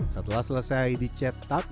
setelah selesai dicetak